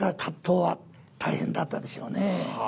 大変だったでしょうね。